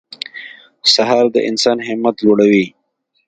سهار د انسان همت لوړوي.